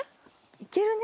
いけるね。